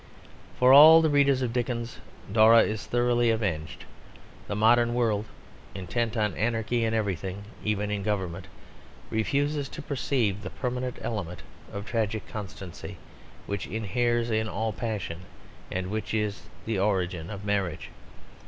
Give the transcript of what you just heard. For all the readers of Dickens Dora is thoroughly avenged. The modern world (intent on anarchy in everything, even in Government) refuses to perceive the permanent element of tragic constancy which inheres in all passion, and which is the origin of marriage.